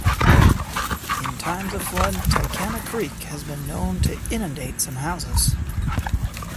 In times of flood, Tycannah Creek has been known to inundate some houses.